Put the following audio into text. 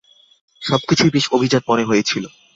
সবকিছুই বেশ অভিজাত মনে হয়েছিল।